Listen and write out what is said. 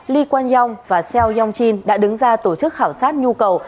lee kwan yong và seo yong jin đã đứng ra tổ chức khảo sát nhu cầu